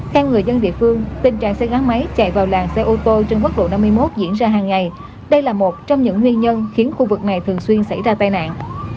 theo người dân địa phương tình trạng xe gắn máy chạy vào làng xe ô tô trên quốc lộ năm mươi một diễn ra hàng ngày đây là một trong những nguyên nhân khiến khu vực này thường xuyên xảy ra tai nạn